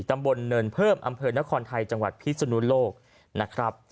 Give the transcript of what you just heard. ตำบลเนินเพิ่มอำเภอนครไทยจังหวัดพิศนุโลกนะครับ